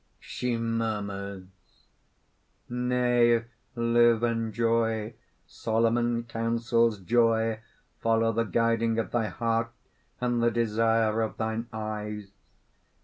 _ She murmurs): "Nay, live! enjoy! Solomon counsels joy! Follow the guiding of thy heart and the desire of thine eyes!"